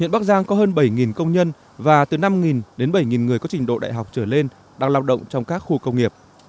hiện bắc giang có hơn bảy công nhân và từ năm đến bảy người có trình độ đại học trở lên đang lao động trong các khu công nghiệp